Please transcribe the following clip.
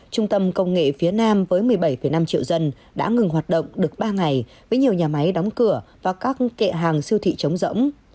trung tâm công nghệ phía nam với một mươi bảy năm triệu dân đã ngừng hoạt động được ba ngày với nhiều nhà máy đóng cửa và các kệ hàng siêu thị chống rỗng